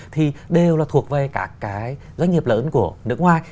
thì đều là thuộc về các cái doanh nghiệp lớn của nước ngoài